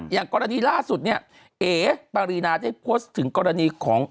อย่างกรณีล่าสุดเนี่ยเอ๋ปารีนาได้โพสต์ถึงกรณีของ